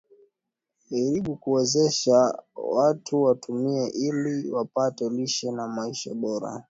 ribu kuwezesha watu watumie ili wapate lishe na maisha bora